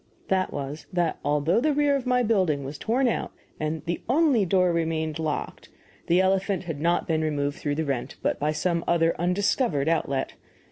That was, that although the rear of my building was torn out and the only door remained locked, the elephant had not been removed through the rent, but by some other (undiscovered) outlet.